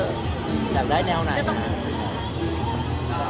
จะได้แนวนั้น